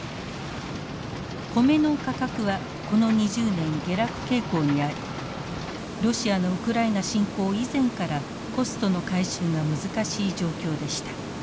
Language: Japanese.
コメの価格はこの２０年下落傾向にありロシアのウクライナ侵攻以前からコストの回収が難しい状況でした。